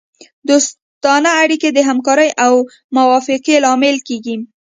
دوستانه اړیکې د همکارۍ او موافقې لامل کیږي